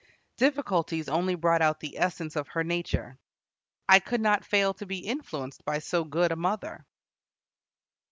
Difficulties only brought out the essence of her nature. "I could not fail to be influenced by so good a mother."